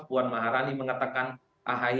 puan maharani mengatakan ahy